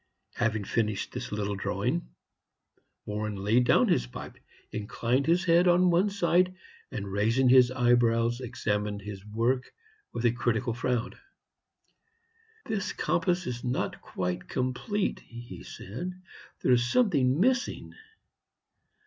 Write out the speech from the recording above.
Having finished this little drawing, Warren laid down his pipe, inclined his head on one side, and raising his eyebrows, examined his work with a critical frown. "This compass is not yet quite complete," he said; "there is something missing.